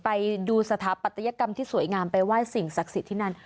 ไปดูสถาปัตยกรรมที่สวยงามไปไหว้สิ่งศักดิ์สิทธิ์ที่นั่น